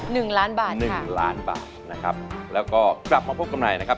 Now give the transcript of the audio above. หนึ่งล้านบาทหนึ่งล้านบาทนะครับแล้วก็กลับมาพบกันใหม่นะครับ